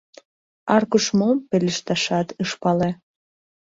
Аркуш мом пелешташат ыш пале.